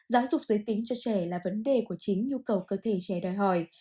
giáo dục giới tính cho trẻ là vấn đề của chính nhu cầu cơ thể trẻ đòi hỏi